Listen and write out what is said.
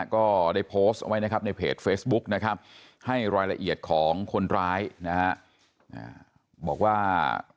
ก็ได้โพสต์ไว้นะครับในเพจเฟซบุ๊กนะครับให้รายละเอียดของคนร้ายนะฮะบอกว่า